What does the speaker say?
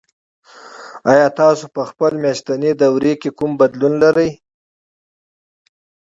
ایا تاسو په خپل میاشتني دوره کې کوم بدلون لرئ؟